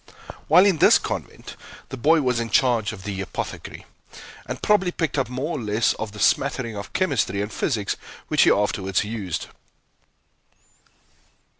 While in this convent, the boy was in charge of the apothecary, and probably picked up more or less of the smattering of chemistry and physics which he afterwards used.